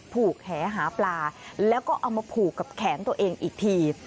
แหหาปลาแล้วก็เอามาผูกกับแขนตัวเองอีกที